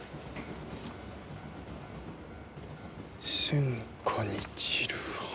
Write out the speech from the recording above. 『戦火に散る花』。